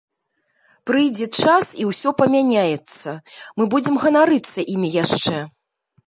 Прыйдзе час і ўсё памяняецца, мы будзем ганарыцца імі яшчэ.